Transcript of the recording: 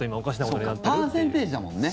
そっかパーセンテージだもんね。